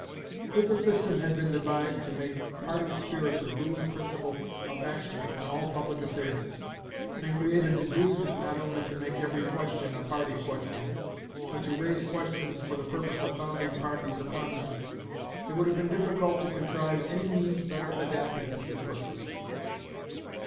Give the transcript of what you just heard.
If a system had been devised to make party spirit the ruling principle of action in all public affairs, and create an inducement not only to make every question a party question, but to raise questions for the purpose of founding parties upon them, it would have been difficult to contrive any means better adapted to the purpose.